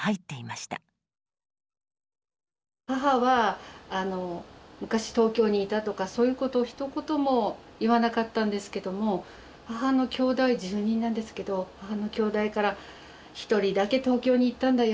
母は昔東京にいたとかそういうことをひと言も言わなかったんですけども母のきょうだい１０人なんですけど母のきょうだいから１人だけ東京に行ったんだよ。